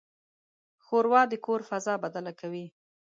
ښوروا د کور فضا بدله کوي.